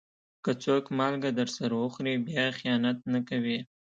که څوک مالګه درسره وخوري، بیا خيانت نه کوي.